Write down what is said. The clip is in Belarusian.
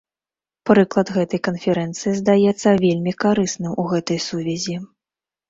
Прыклад гэтай канферэнцыі здаецца вельмі карысным у гэтай сувязі.